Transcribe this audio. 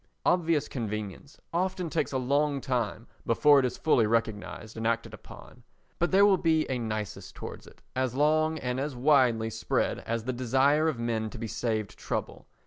Obvious convenience often takes a long time before it is fully recognised and acted upon, but there will be a nisus towards it as long and as widely spread as the desire of men to be saved trouble.